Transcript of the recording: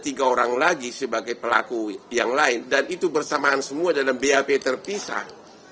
tiga orang lagi sebagai pelaku yang lain dan itu bersamaan semua dalam bap terpisah